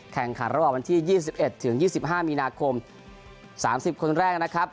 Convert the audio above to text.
แข่งขันรอบวันที่๒๑๒๕มีนาคม๓๐คนแรกนะครับ